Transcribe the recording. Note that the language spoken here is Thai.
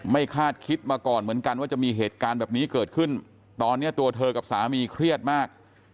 คาดคิดมาก่อนเหมือนกันว่าจะมีเหตุการณ์แบบนี้เกิดขึ้นตอนนี้ตัวเธอกับสามีเครียดมาก